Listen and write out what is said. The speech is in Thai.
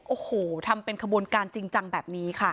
โอ้โหทำเป็นขบวนการจริงจังแบบนี้ค่ะ